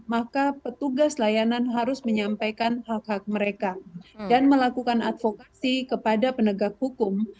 maka petugas layanan harus menyampaikan hak hak mereka dan melakukan advokasi kepada penegak hukum